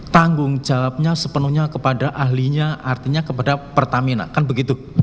tanggung jawabnya sepenuhnya kepada ahlinya artinya kepada pertamina kan begitu